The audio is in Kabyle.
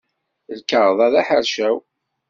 Lkaɣeḍ-a d aḥercaw.